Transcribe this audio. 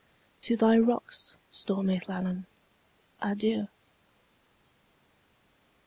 To thy rocks, stormy Llannon, adieu!